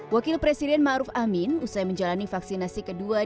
wakil presiden ma'ruf amin usai menjalani vaksinasi kedua dihapus